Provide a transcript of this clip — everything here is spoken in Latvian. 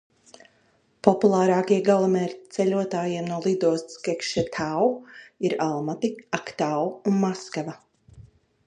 "Populārākie galamērķi ceļotājiem no lidostas "Kekšetau" ir Almati, Aktau un Maskava."